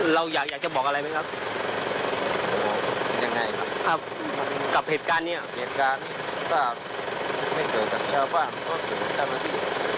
เหตุการณ์ถ้าไม่เกิดกับชาวบ้านก็กลับมาเจ้าหน้าที่